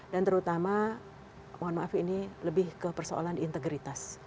dan terutama mohon maaf ini lebih ke persoalan integritas